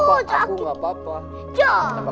kasian itu dilihat liat dong nih kan